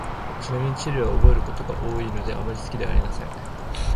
ちなみに、地理は覚えることが多いので、あまり好きではありません。